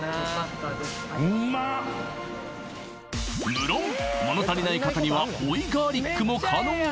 無論物足りない方には追いガーリックも可能・